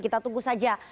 kita tunggu saja